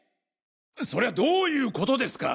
そりゃどういうことですか！